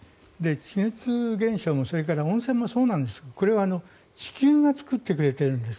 地熱現象もそれから温泉もそうなんですがこれは地球が作ってくれているんです。